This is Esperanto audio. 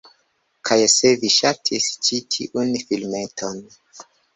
Kaj se vi ŝatis ĉi tiun filmeton